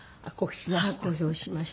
公表しました？